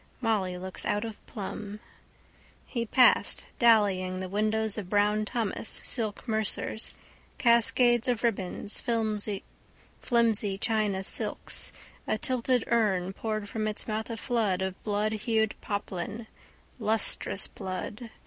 Molly looks out of plumb. He passed, dallying, the windows of Brown Thomas, silk mercers. Cascades of ribbons. Flimsy China silks. A tilted urn poured from its mouth a flood of bloodhued poplin: lustrous blood.